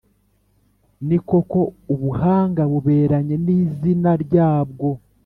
Ni koko, ubuhanga buberanye n’izina ryabwo